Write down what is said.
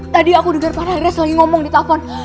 tadi aku dengar panagres lagi ngomong di telepon